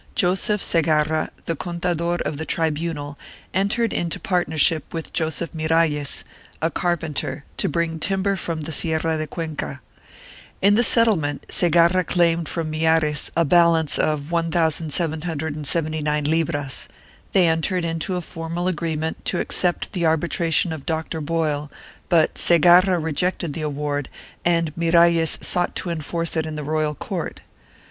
Joseph Segarra, the contador of the tribunal, entered into partnership with Joseph Miralles, a carpenter, to bring timber from the Sierra de Cuenca. In the settlement Segarra claimed from Miralles a balance of 1779 libras; they entered into a formal agreement to accept the arbitration of Doctor Boyl, but Segarra rejected the award and Miralles sought to enforce it in the royal court.